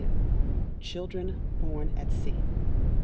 1962. Children born at Sea.